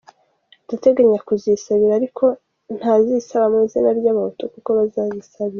Ndateganya kuzisaba ariko ntazisaba mu izina ry’ Abahutu kuko bazazisabira.